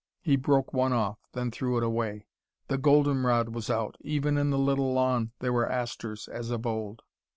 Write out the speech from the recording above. He broke one off, then threw it away. The golden rod was out. Even in the little lawn there were asters, as of old.